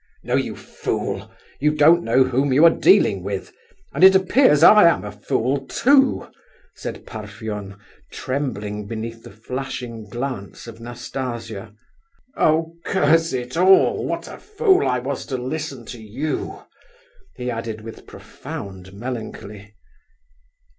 "No, you fool—you don't know whom you are dealing with—and it appears I am a fool, too!" said Parfen, trembling beneath the flashing glance of Nastasia. "Oh, curse it all! What a fool I was to listen to you!" he added, with profound melancholy.